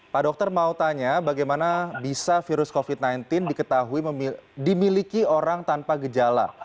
pak dokter mau tanya bagaimana bisa virus covid sembilan belas diketahui dimiliki orang tanpa gejala